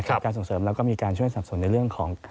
การส่งเสริมแล้วก็มีการช่วยสับสนในเรื่องของ